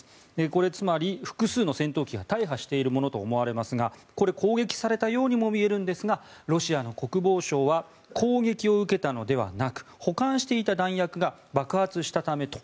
これ、つまり複数の戦闘機が大破しているものと思われますがこれ、攻撃されたようにも見えるんですがロシアの国防省は攻撃を受けたのではなく保管していた弾薬が爆発したためと。